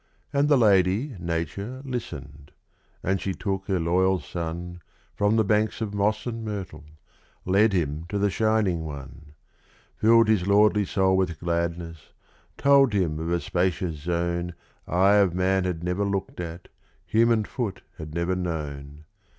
And the lady, Nature, listened; and she took her loyal son From the banks of moss and myrtle led him to the Shining One! Filled his lordly soul with gladness told him of a spacious zone Eye of man had never looked at, human foot had never known.